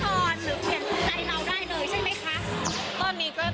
นดทอนหรือเปลี่ยนใจเราได้เลยใช่ไหมคะ